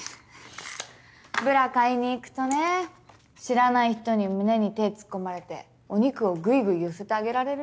ブラ買いに行くとね知らない人に胸に手突っ込まれてお肉をぐいぐい寄せて上げられるんだよ。